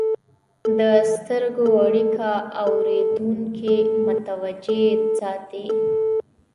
د سترګو اړیکه اورېدونکي متوجه ساتي.